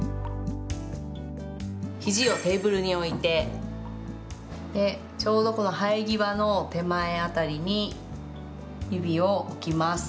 肘をテーブルに置いてちょうどこの生え際の手前辺りに指を置きます。